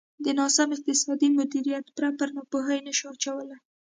د ناسم اقتصادي مدیریت پړه پر ناپوهۍ نه شو اچولای.